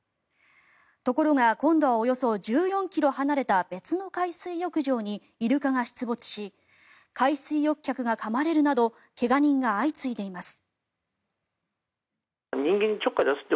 ところが今度はおよそ１４ｋｍ離れた別の海水浴場にイルカが出没し海水浴客がかまれるなど怪我人が相次いでいます。